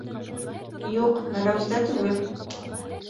Юҡ, Меләүездә түгел